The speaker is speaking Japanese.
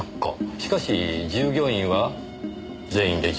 しかし従業員は全員で１０人。